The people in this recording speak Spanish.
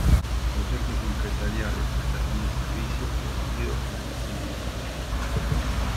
Proyectos empresariales, prestación de servicios producidos en el mismo municipio.